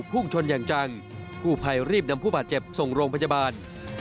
พุ่งชนอย่างจังกู้ภัยรีบนำผู้บาดเจ็บส่งโรงพยาบาล